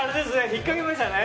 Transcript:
引っかけましたね？